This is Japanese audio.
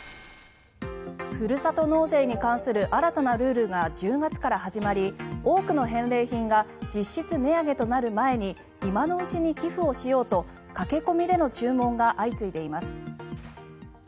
ふるさと納税に関する新たなルールが１０月から始まり多くの返礼品が実質値上げとなる前に今のうちに寄付をしようと駆け込みでの注文が相次いでいます。